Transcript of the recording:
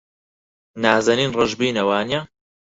نازەنین ڕەشبینە، وانییە؟